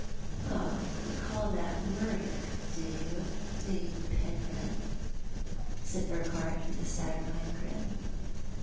"Oh, you call that murder, do you, Lady Penrith?" said Urquhart, with a saturnine grin.